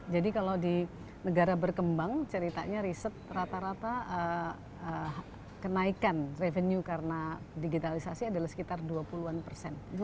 jadi kalau di negara berkembang ceritanya riset rata rata kenaikan revenue karena digitalisasi adalah sekitar dua puluh an persen